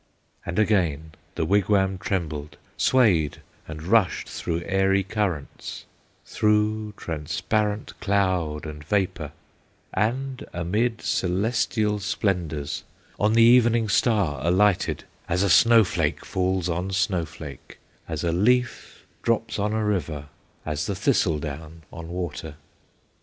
"And again the wigwam trembled, Swayed and rushed through airy currents, Through transparent cloud and vapor, And amid celestial splendors On the Evening Star alighted, As a snow flake falls on snow flake, As a leaf drops on a river, As the thistledown on water.